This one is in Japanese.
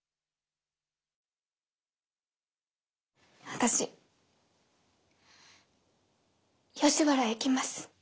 私吉原へ行きます。